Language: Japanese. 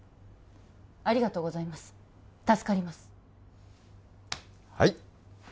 ありがとうございます助かりますはい！